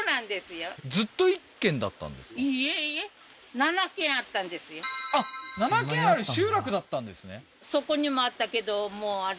７軒ある集落だったんですね